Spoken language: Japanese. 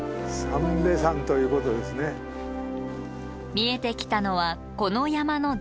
見えてきたのはこの山の全貌。